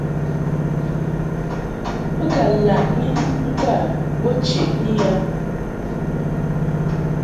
Bo ka laʼni ŋgâ bo cheʼni yab.